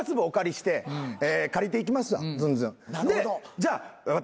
じゃあ私